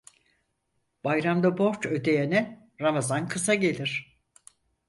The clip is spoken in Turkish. Bayramda borç ödeyene ramazan kısa gelir.